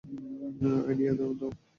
Idea দাও তো।